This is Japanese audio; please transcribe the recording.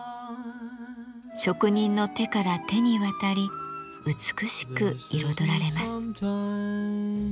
職人の手から手に渡り美しく彩られます。